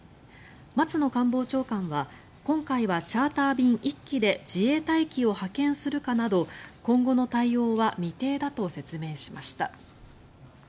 松野官房長官は今回はチャーター便１機で自衛隊機を派遣するかなど今後の対応は未定だと説明しました。